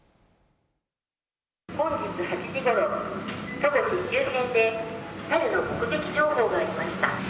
本日８時ごろ、戸越周辺で猿の目撃情報がありました。